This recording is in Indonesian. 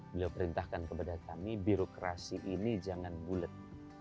beliau perintahkan kepada kami birokrasi ini jangan bulet